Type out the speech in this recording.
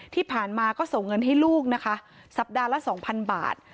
ที่ผ่านมาก็ส่งเงินให้ลูกนะคะสัปดาห์ละ๒๐๐บาท